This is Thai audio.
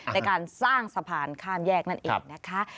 ในการสร้างสะพานข้ามแยกนั่นเองนะคะ